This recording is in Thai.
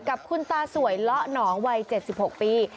กับคุณตาสวยเลาะหนองวัย๗๖ปี